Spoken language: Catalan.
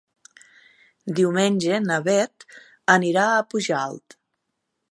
Diumenge na Beth anirà a Pujalt.